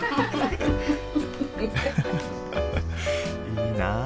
いいなあ。